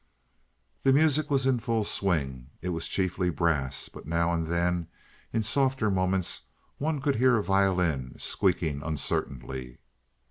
The music was in full swing; it was chiefly brass; but now and then, in softer moments, one could hear a violin squeaking uncertainly.